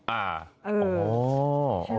อ้าว